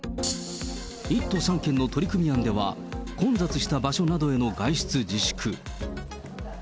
１都３県の取り組み案では、混雑した場所などへの外出自粛。